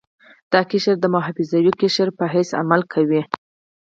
دا قشر د محافظوي قشر په حیث عمل کوي.